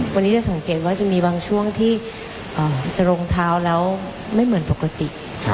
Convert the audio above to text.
วันนี้จะสังเกตว่าจะมีบางช่วงที่จะรองเท้าแล้วไม่เหมือนปกติ